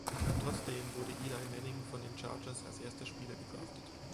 Trotzdem wurde Eli Manning von den Chargers als erster Spieler gedraftet.